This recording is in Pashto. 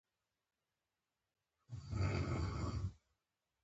نورالله ښے لاس پۀ نرۍ ملا کېښود